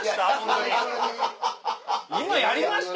今やりました？